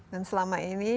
dan selama ini